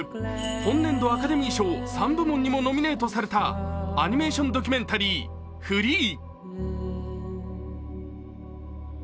本年度アカデミー賞３部門にもノミネートされたアニメーション・ドキュメンタリー「ＦＬＥＥフリー」。